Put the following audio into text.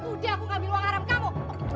gak tudih aku ngambil uang haram kamu